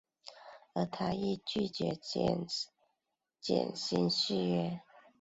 而他亦拒绝减薪续约。